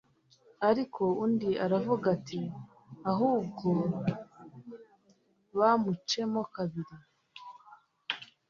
ariko undi aravuga ati “ahubwo bamucemo kabiri